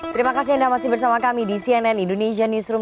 terima kasih anda masih bersama kami di cnn indonesia newsroom